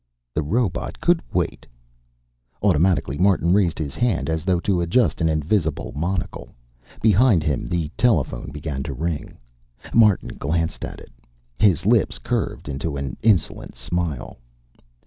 The robot ... could wait. Automatically Martin raised his hand, as though to adjust an invisible monocle. Behind him, the telephone began to ring. Martin glanced at it. His lips curved into an insolent smile.